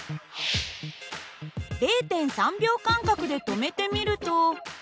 ０．３秒間隔で止めてみると。